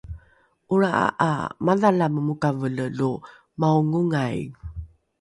’olra’a ’a madhalame mokavole lo maongongai